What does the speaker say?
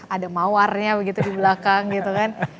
ada mawarnya begitu di belakang gitu kan